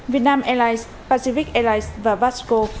việt nam airlines pacific airlines và vasco